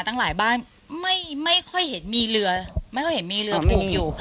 ตั้งหลายบ้านไม่ค่อยเห็นมีเรือไม่ค่อยเห็นมีเรือผูกอยู่